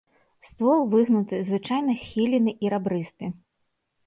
Ствол выгнуты, звычайна схілены і рабрысты.